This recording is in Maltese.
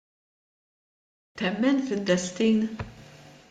Temmen fid-destin?